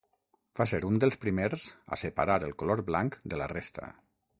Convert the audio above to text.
Va ser un dels primers a separar el color blanc de la resta.